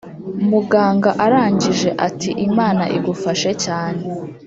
muganga arangije ati"imana igufashe cyane